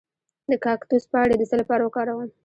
د کاکتوس پاڼې د څه لپاره وکاروم؟